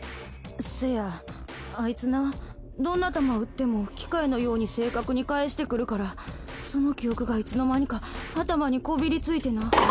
せやアイツなどんな球打っても機械のように正確に返してくるからその記憶がいつの間にか頭にこびりついてな。